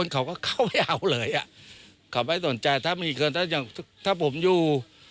เขาไม่สนใจถ้ามีคนถ้าอย่างถ้าผมอยู่